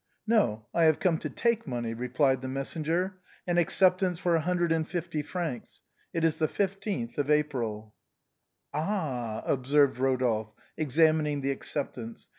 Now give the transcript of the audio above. " No, I have come to take money," replied the messenger. "An acceptance for a hundred and fifty francs. It is the 15th of April." "Ah !" observed Rodolphe, examining the acceptance.